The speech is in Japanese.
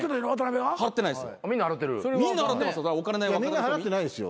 みんな払ってないですよ。